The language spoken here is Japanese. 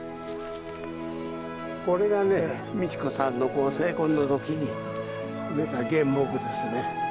これがね美智子さんのご成婚の時に植えた原木ですね。